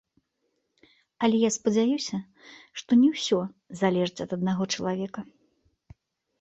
Але я спадзяюся, што не ўсё залежыць ад аднаго чалавека.